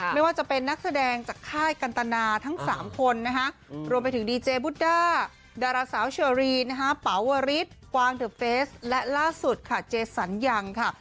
ไม่ว่าจะเป็นนักแสดงจากค่ายกันตนาทั้ง๓คนนะคะรวมไปถึงดีเจบุดด้าดาราสาวเชอรีนะฮะเป๋าวริสกวางเดอเฟสและล่าสุดค่ะเจสันยังค่ะ